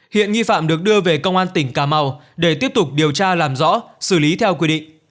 hiện nghi phạm được đưa về công an tỉnh cà mau để tiếp tục điều tra làm rõ xử lý theo quy định